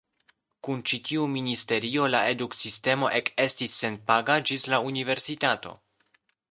Kun ĉi tiu ministerio, la eduksistemo ekestis senpaga ĝis la Universitato.